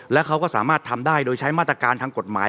แล้วเขาก็สามารถทำได้โดยใช้มาตรการทางกฎหมาย